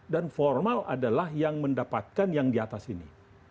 dan formal adalah yang mendapatkan yang di atas ini